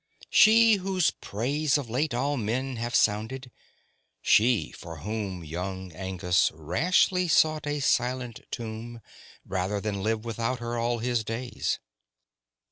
She whose praise Of late all men have sounded. She for whom Young Angus rashly sought a silent tomb Rather than live without her all his days.